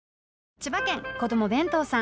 千葉県子供弁当さん。